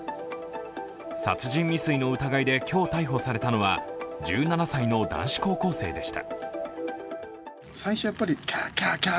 殺人未遂の疑いで今日、逮捕されたのは１７歳の男子高校生でした。